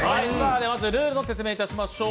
ルールを説明いたしましょう。